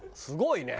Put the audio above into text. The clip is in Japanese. すごい！